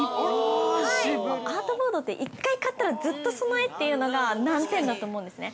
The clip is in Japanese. ◆アートボードって、１回買ったら、ずっとその絵というのが難点だと思うんですね。